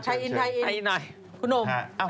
ไทยอินไทยอินหน่อย